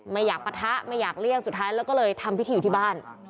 ไม่อยากปะทะไม่อยากเลี่ยงสุดท้ายแล้วก็เลยทำพิธีอยู่ที่บ้าน